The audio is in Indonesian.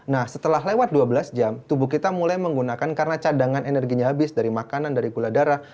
nah setelah lewat dua belas jam tubuh kita mulai menggunakan karena cadangan energinya habis dari makanan dari gula darah